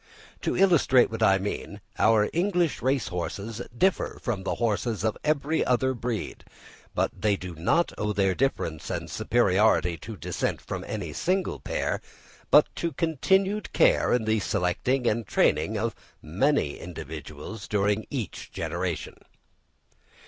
To illustrate what I mean: our English race horses differ from the horses of every other breed; but they do not owe their difference and superiority to descent from any single pair, but to continued care in the selecting and training of many individuals during each generation.